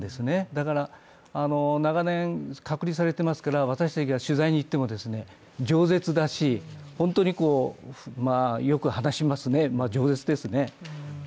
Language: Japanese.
だから長年隔離されていますから、私たちが取材に行ってもじょう舌だし、本当によく話しますね、じょう舌ですね。